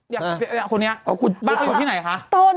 บ้างเขาอยู่ที่ไหนคะ